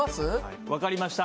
はい分かりました。